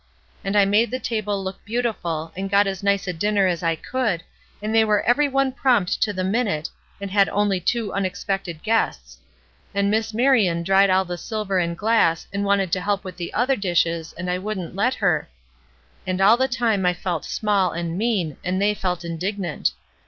And I made the table look beautiful, and got as nice a dinner as I could, and they were every one prompt to the minute, and had only two unexpected guests; and Miss Marian dried all the silver and glass and wanted to help with the other dishes and I wouldn't let her ; and all the time I felt small and mean, and they felt indignant.